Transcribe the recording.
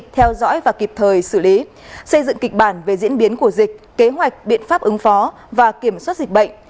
theo dõi và kịp thời xử lý xây dựng kịch bản về diễn biến của dịch kế hoạch biện pháp ứng phó và kiểm soát dịch bệnh